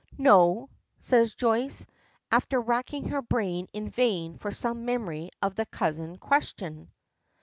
"No," says Joyce, after racking her brain in vain for some memory of the cousin question.